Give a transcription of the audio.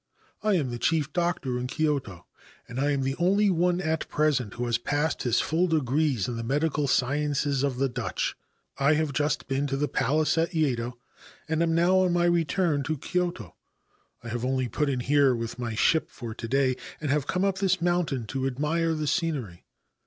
I am the chief doctor in Kyoto, and am the only one at present who has passed his full degrees in the Medical Sciences of the Dutch. I have just been to the Palace at Yedo, and am now on my return to Kyoto. I have only put in here with my ship for to day, and have come up this mountain to admire the scenery.